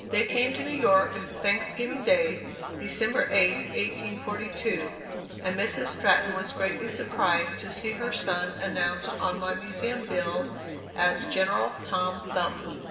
They came to New York, Thanksgiving day, December 8, 1842, and Mrs. Stratton was greatly surprised to see her son announced on my Museum bills as "General Tom Thumb."